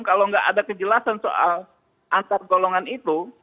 kalau nggak ada kejelasan soal antar golongan itu